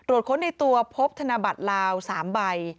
ค้นในตัวพบธนบัตรลาว๓ใบ